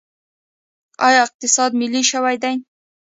آیا اقتصاد ملي شوی دی؟